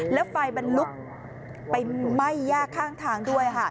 แล้วไฟมันลุกไปไหม้ย่าข้างทางด้วย